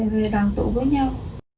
về đoàn tụ với nhau